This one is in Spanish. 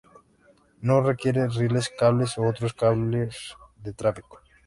No requiere rieles, cables u otros cambios de tráfico.